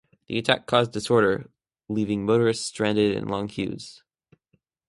The attack caused disorder leaving motorists stranded in long queues.